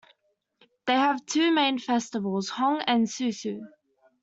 They have two main festivals: Hong and Susu.